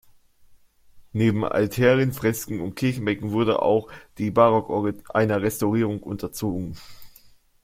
Neben Altären, Fresken und Kirchenbänken wurde auch die Barockorgel einer Restaurierung unterzogen.